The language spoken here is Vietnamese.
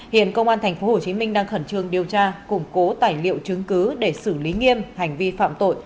hiện công an tp hcm đang khẩn trương điều tra củng cố tài liệu chứng cứ để xử lý nghiêm hành vi phạm tội